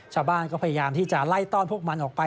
ชาวบ้านก็พยายามที่จะไล่ต้อนพวกมันออกไป